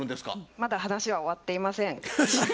まだ話は終わっていません。